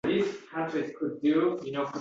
Ishonmasdan